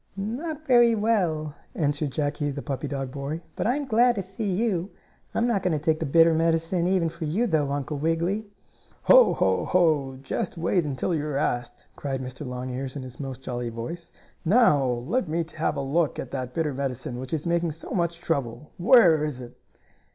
"Not very well," answered Jackie, the puppy dog boy. "But I'm glad to see you. I'm not going to take the bitter medicine even for you, though, Uncle Wiggily." "Ho! Ho! Ho! Just you wait until you're asked!" cried Mr. Longears in his most jolly voice. "Now let me have a look at that bitter medicine which is making so much trouble. Where is it?"